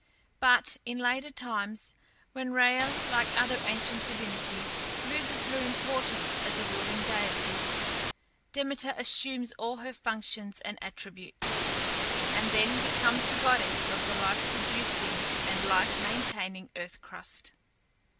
But in later times, when Rhea, like other ancient divinities, loses her importance as a ruling deity, Demeter assumes all her functions and attributes, and then becomes the goddess of the life producing and life maintaining earth crust.